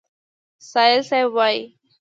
سایل صیب وایي: